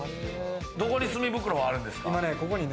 どこに墨袋があるんですか？